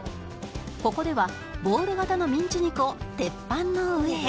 ここではボール形のミンチ肉を鉄板の上へ